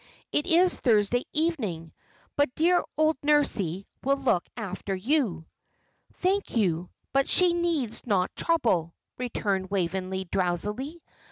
"It is Thursday evening. But dear old Nursie will look after you." "Thank you. But she need not trouble," returned Waveney, drowsily.